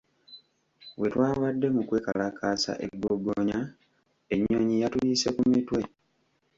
Bwe twabadde mu kwekalakaasa e Ggogonya, ennyonyi yatuyise ku mitwe.